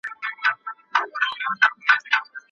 سبزیجات او مېوه کولای شي ستا عمر په رښتیا سره زیات کړي.